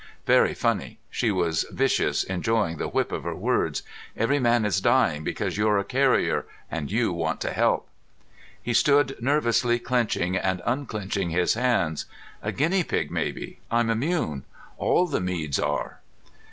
"Very funny." She was vicious, enjoying the whip of her words. "Every man is dying because you're a carrier, and you want to help." He stood nervously clenching and unclenching his hands. "A guinea pig, maybe. I'm immune. All the Meads are."